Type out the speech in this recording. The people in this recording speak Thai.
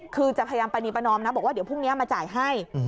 คือจะพยายามปรณีประนอมนะบอกว่าเดี๋ยวพรุ่งนี้มาจ่ายให้